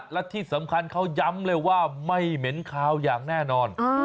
และที่สำคัญเขาย้ำเลยว่าไม่เหม็นคาวอย่างแน่นอน